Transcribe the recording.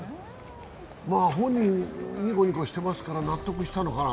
本人、にこにこしてますから、納得したのかな。